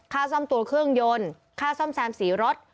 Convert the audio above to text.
ค่าซ่อมตัวเครื่องยนต์ค่าซ่อมแซมสีรถ